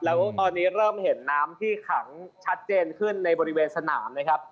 แล้วตอนนี้เริ่มเห็นน้ำที่ขังชัดเจนขึ้นในบริเวณสนามนะครับ